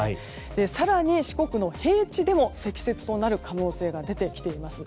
更に、四国の平地でも積雪となる可能性が出てきています。